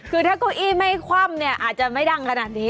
คือถ้าเก้าอี้ไม่คว่ำเนี่ยอาจจะไม่ดังขนาดนี้